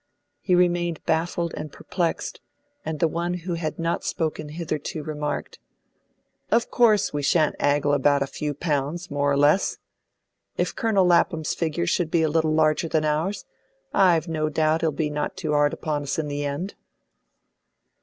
He remained baffled and perplexed, and the one who had not spoken hitherto remarked "Of course we shan't 'aggle about a few pound, more or less. If Colonel Lapham's figure should be a little larger than ours, I've no doubt 'e'll not be too 'ard upon us in the end."